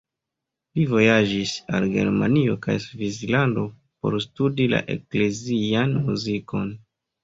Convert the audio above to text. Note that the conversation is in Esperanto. Li vojaĝis al Germanio kaj Svislando por studi la eklezian muzikon.